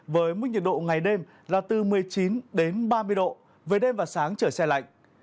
với mức nhiệt độ ngày đêm là từ một mươi chín ba mươi độ với đêm và sáng trở xe lạnh